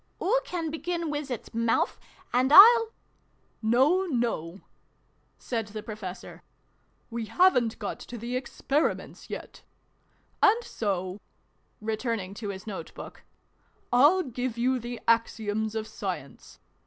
" Oo can begin wiz its mouf, and I'll " No, no !" said the Professor. " We haven't got to the Experiments yet. And so," return ing to his note book, " I'll give you the Axioms of Science.